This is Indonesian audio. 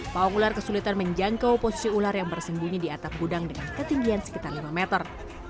pawang ular kesulitan menjangkau posisi ular yang bersembunyi di atap gudang dengan ketinggian sekitar lima meter